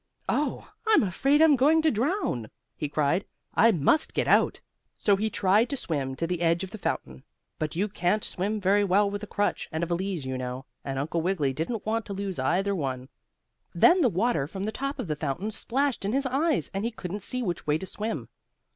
"Oh, I'm afraid I'm going to drown!" he cried. "I must get out!" So he tried to swim to the edge of the fountain, but you can't swim very well with a crutch and a valise, you know, and Uncle Wiggily didn't want to lose either one. Then the water from the top of the fountain splashed in his eyes and he couldn't see which way to swim.